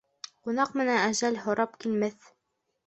Ҡунаҡ менән әжәл һорап килмәҫ.